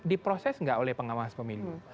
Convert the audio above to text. diproses nggak oleh pengawas pemilu